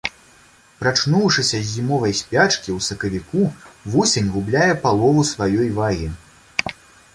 Прачнуўшыся з зімовай спячкі, у сакавіку, вусень губляе палову сваёй вагі.